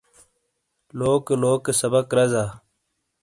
لوکے لوکے سبق رزا۔